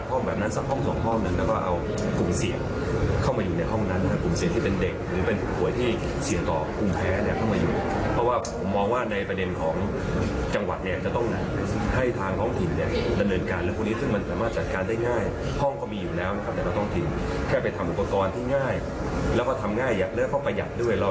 ทำง่ายแล้วก็ทำง่ายอยากเลือกเข้าประหยัดด้วย